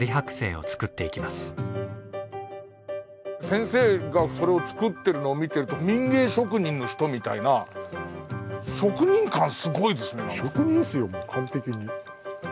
先生がそれを作ってるのを見てると民芸職人の人みたいな職人感すごいですね。